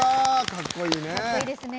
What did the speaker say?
かっこいいね。